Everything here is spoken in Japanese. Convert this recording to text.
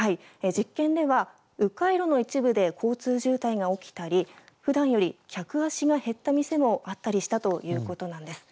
実験では、う回路の一部で交通渋滞が起きたりふだんより客足が減った店もあったりしたということなんです。